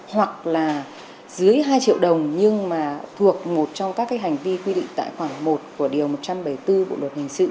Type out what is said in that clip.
hoặc là dưới hai triệu đồng nhưng mà thuộc một trong các cái hành vi quy định tại khoản một của điều một trăm bảy mươi bốn bộ luật hình sự